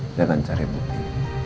saya akan cari bukti